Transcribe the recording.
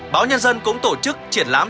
báo nhân dân cũng tổ chức triển lãm